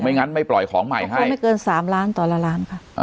งั้นไม่ปล่อยของใหม่ให้ไม่เกิน๓ล้านต่อละล้านค่ะ